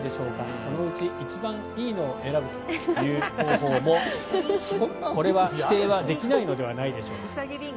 そのうち一番いいのを選ぶという方法もこれは否定はできないのではないでしょうか。